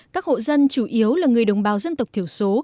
các hộ dân chủ yếu là người đồng bào dân tộc thiểu số